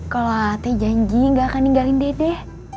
kalo ate janji gak akan ninggalin dede